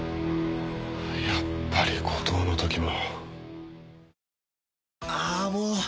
やっぱり後藤の時も。